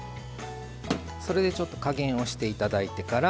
それでちょっと加減をして頂いてから。